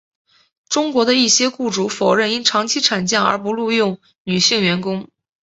中国的一些雇主否认因长期产假而不录用女性员工。